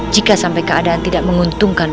jika sampai keadaan tidak menguntungkan